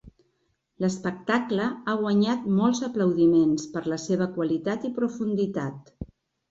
L'espectacle ha guanyat molts aplaudiments per la seva qualitat i profunditat.